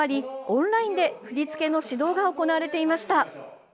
オンラインで振り付けの指導が行われていました。